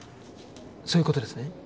そういう事ですね？